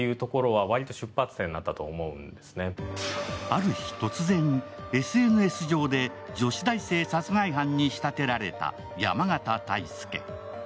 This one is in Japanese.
ある日突然、ＳＮＳ上で女子大生殺害犯に仕立てられた山縣泰介。